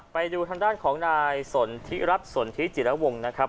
ไปดูทางด้านของนายสนทิรัฐสนทิจิระวงนะครับ